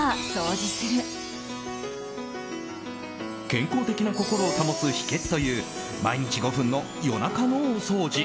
健康的な心を保つ秘訣という毎日５分の夜中のお掃除。